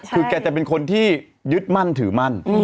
คือแกจะเป็นคนที่ยึดมั่นถือมั่น